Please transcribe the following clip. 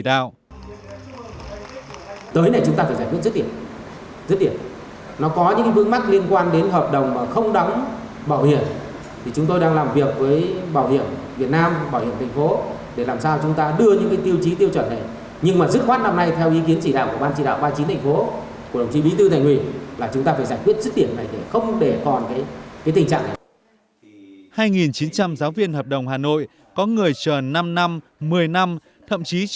từ nhiều năm nay